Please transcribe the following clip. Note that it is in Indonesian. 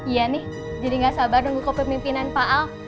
iya nih jadi gak sabar nunggu kepemimpinan pak al